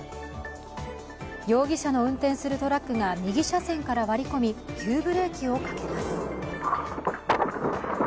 容疑者の運転するトラックが右車線から割り込み、急ブレーキをかけます。